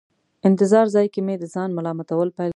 انتظار ځای کې مې د ځان ملامتول پیل کړل.